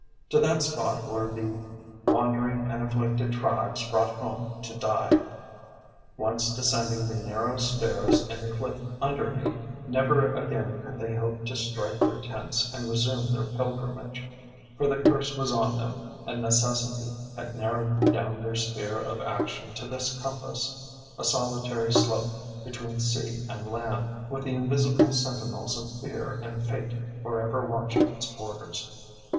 To that spot were the wandering and afflicted tribes brought home to die. Once descending the narrow stairs in the cliff under me, never again could they hope to strike their tents and resume their pilgrimage; for the curse was on them, and necessity had narrowed down their sphere of action to this compass, a solitary slope between sea and land, with the invisible sentinels of Fear and Fate for ever watching its borders.